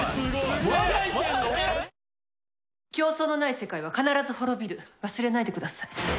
競争のない世界は必ず滅びる忘れないでください。